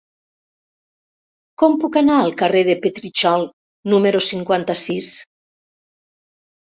Com puc anar al carrer de Petritxol número cinquanta-sis?